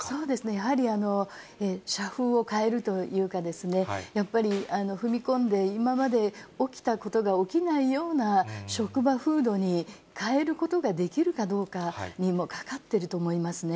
やはり社風を変えるというかですね、やっぱり踏み込んで、今まで起きたことが起きないような職場風土に変えることができるかどうかにもかかっていると思いますね。